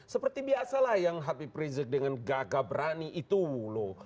seperti biasalah yang habib rizik dengan gagah berani itu loh